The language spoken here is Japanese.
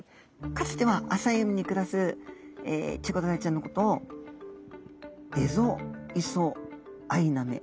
かつては浅い海に暮らすチゴダラちゃんのことをエゾイソアイナメ。